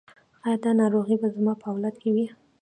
ایا دا ناروغي به زما په اولاد کې وي؟